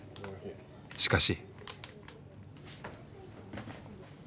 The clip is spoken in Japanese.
しかし。